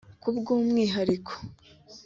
Ku bw’umwihariko